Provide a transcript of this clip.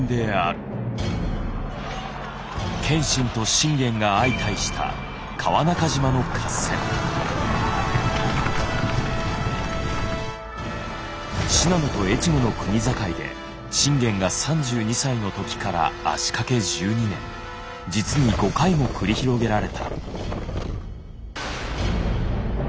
謙信と信玄が相対した信濃と越後の国境で信玄が３２歳の時から足かけ１２年実に５回も繰り広げられた。